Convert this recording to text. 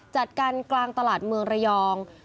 จัดการกลางตลาดเมืองระยอง